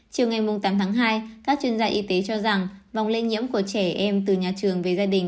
chiều ngày tám tháng hai các chuyên gia y tế cho rằng vòng lây nhiễm của trẻ em từ nhà trường về gia đình